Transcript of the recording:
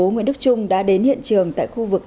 nguyễn đức trung đã đến hiện trường tại khu vực